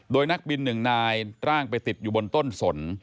โดยนักบินหนึ่งนายร่างไปติดอยู่บนต้นสน